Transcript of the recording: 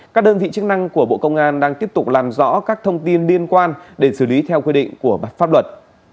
các đơn vị chức năng của bộ công an đang tiếp tục làm rõ các thông tin liên quan để xử lý theo quy định của pháp luật